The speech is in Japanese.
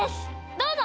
どうぞ！